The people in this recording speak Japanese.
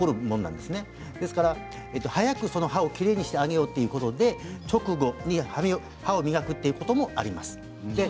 ですから早くその歯をきれいにしてあげようということで直後に歯を磨くということもあります。